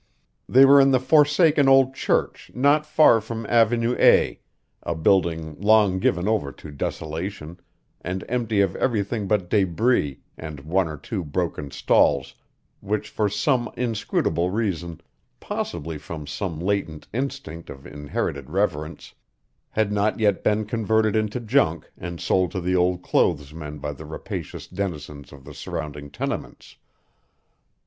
They were in the forsaken old church not far from Avenue A , a building long given over to desolation, and empty of everything but débris and one or two broken stalls, which for some inscrutable reason possibly from some latent instinct of inherited reverence had not yet been converted into junk and sold to the old clothes men by the rapacious denizens of the surrounding tenements.